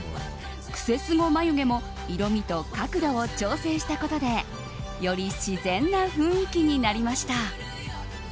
クセスゴ眉毛も色味と角度を調整したことでより自然な雰囲気になりました。